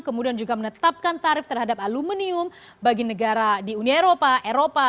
kemudian juga menetapkan tarif terhadap aluminium bagi negara di uni eropa eropa